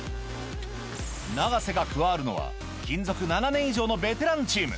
永瀬が加わるのは、勤続７年以上のベテランチーム。